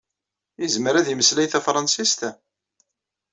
Izmer ad imeslay tafṛansist?